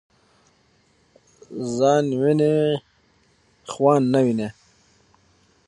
ځان وینی خوان نه ويني .